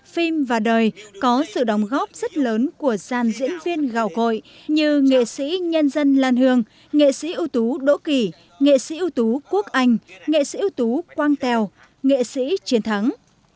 phim và đời có sự đóng góp rất lớn của gian diễn viên gà cội như nghệ sĩ nhân dân lan hương nghệ sĩ ưu tú đỗ kỳ nghệ sĩ ưu tú quốc anh nghệ sĩ ưu tú quang tèo nghệ sĩ chiến thắng